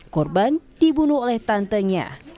korban dibunuh oleh tantenya